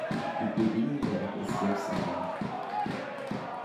Die Bedienung der App ist selbsterklärend.